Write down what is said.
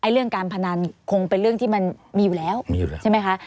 เรื่องการพนันคงเป็นเรื่องที่มันมีอยู่แล้วใช่ไหมคะ